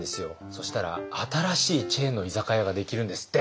そしたら新しいチェーンの居酒屋ができるんですって。